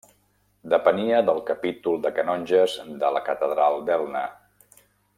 Depenia del capítol de canonges de la catedral d'Elna.